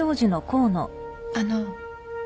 あの。